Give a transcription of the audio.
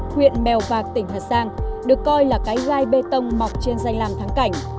huyện mèo vạc tỉnh hà giang được coi là cái gai bê tông mọc trên danh làm thắng cảnh